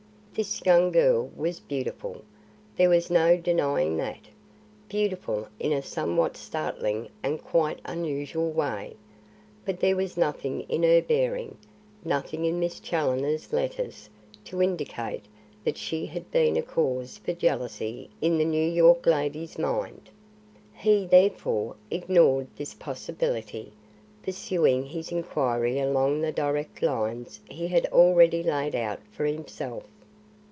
This young girl was beautiful, there was no denying that, beautiful in a somewhat startling and quite unusual way; but there was nothing in her bearing, nothing in Miss Challoner's letters to indicate that she had been a cause for jealousy in the New York lady's mind. He, therefore, ignored this possibility, pursuing his inquiry along the direct lines he had already laid out for himself.